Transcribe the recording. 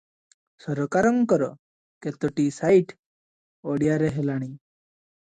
ସରକାରଙ୍କର କେତୋଟି ସାଇଟ ଓଡ଼ିଆରେ ହେଲାଣି ।